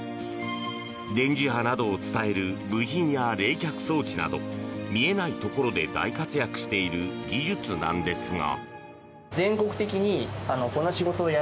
電磁波などを伝える部品や冷却装置など見えないところで大活躍している技術なんですが。